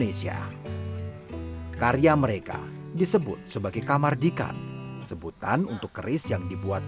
era kemerdekaan penjara belanda